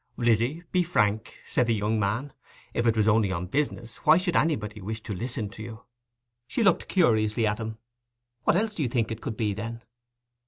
'Lizzy, be frank!' said the young man. 'If it was only on business, why should anybody wish to listen to you?' She looked curiously at him. 'What else do you think it could be, then?